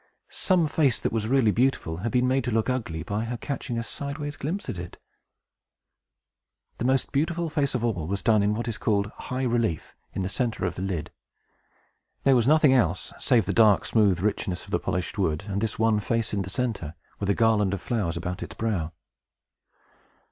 Some face, that was really beautiful, had been made to look ugly by her catching a sideway glimpse at it. The most beautiful face of all was done in what is called high relief, in the centre of the lid. There was nothing else, save the dark, smooth richness of the polished wood, and this one face in the centre, with a garland of flowers about its brow.